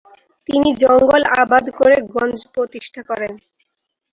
তিনি জঙ্গল আবাদ করে গঞ্জ প্রতিষ্ঠা করেন।